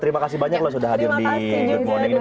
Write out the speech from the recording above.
terima kasih banyak loh sudah hadir di good morning